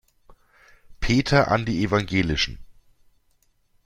Peter an die Evangelischen.